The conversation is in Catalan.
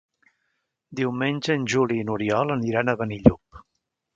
Diumenge en Juli i n'Oriol aniran a Benillup.